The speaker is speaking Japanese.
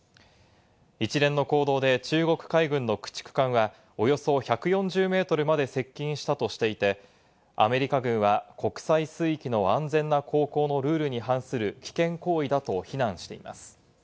一連の行動で中国海軍の駆逐艦はおよそ１４０メートルまで接近したとしていて、アメリカ軍は国際水域の安全な航行のルールに反する危険行為だと非難しています。